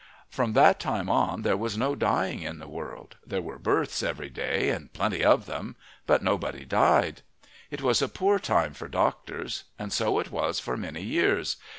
From that time on there was no dying in the world. There were births every day, and plenty of them, but nobody died. It was a poor time for doctors. And so it was for many years.